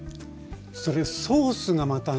それソースがまたね